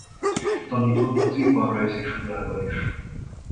Tanított az Iparrajziskolában is.